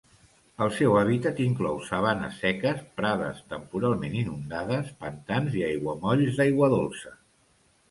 El seu hàbitat inclou sabanes seques, prades temporalment inundades, pantans i aiguamolls d'aigua dolça.